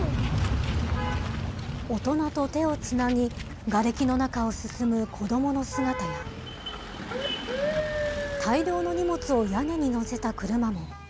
大人と手をつなぎ、がれきの中を進む子どもの姿や、大量の荷物を屋根に載せた車も。